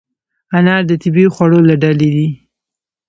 انار د طبیعي خوړو له ډلې دی.